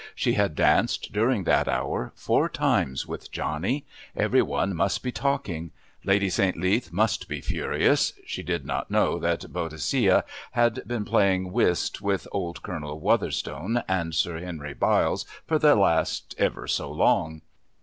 She had danced, during that hour, four times with Johnny; every one must be talking. Lady St. Leath must be furious (she did not know that Boadicea had been playing whist with old Colonel Wotherston and Sir Henry Byles for the last ever so long).